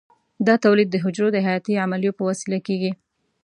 دا تولید د حجرو د حیاتي عملیو په وسیله کېږي.